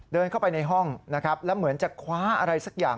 เดินเข้าไปในห้องนะครับแล้วเหมือนจะคว้าอะไรสักอย่าง